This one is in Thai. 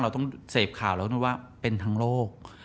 เราต้องเสพข่าวแล้วต้องว่าเป็นทั้งโลก